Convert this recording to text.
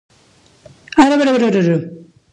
سلام الله عليك يا زينب